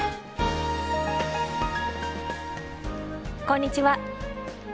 こんにちは。